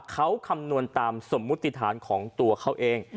เขาคำนวณตามสมมุติฐานของตัวเขาเอง